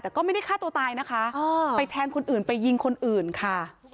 แต่ก็ไม่ได้ฆ่าตัวตายนะคะไปแทงคนอื่นไปยิงคนอื่นค่ะ